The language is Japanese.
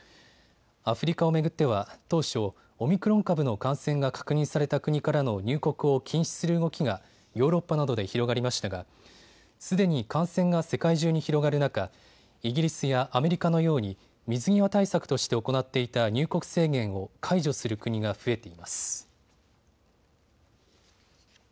アフリカを巡っては当初、オミクロン株の感染が確認された国からの入国を禁止する動きがヨーロッパなどで広がりましたがすでに感染が世界中に広がる中、イギリスやアメリカのように水際対策として行っていた入国制限を解除する国が増えています。